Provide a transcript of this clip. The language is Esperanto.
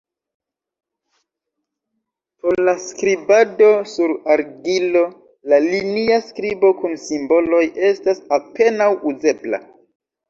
Por la skribado sur argilo, la linia skribo kun simboloj estas apenaŭ uzebla.